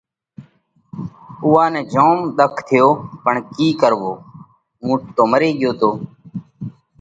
اُوئا نئہ جوم ۮک ٿيو پڻ ڪِي ڪروو، اُونٺ تو مري ڳيو تو۔